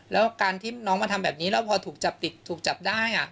แล้วการที่น้องมาทำแบบนี้แล้วพอถูกจับติดถูกจับได้